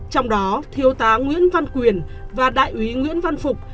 trong đó thiếu tá nguyễn văn quyền và đại úy nguyễn văn phục